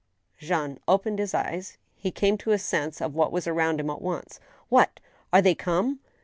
Jean opened his eyes. He came to a sense of what was around him at once. " What } Are they come